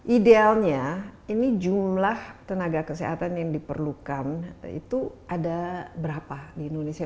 idealnya ini jumlah tenaga kesehatan yang diperlukan itu ada berapa di indonesia